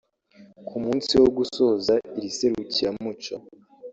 Ku munsi wo gusoza iri serukiramuco